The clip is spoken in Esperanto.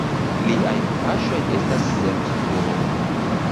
Liaj paŝoj estas sen spuro.